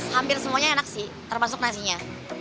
hampir semuanya enak sih termasuk nasinya